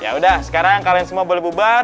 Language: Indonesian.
ya udah sekarang kalian semua boleh bubar